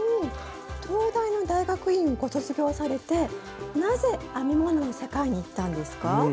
東大の大学院をご卒業されてなぜ編み物の世界にいったんですか？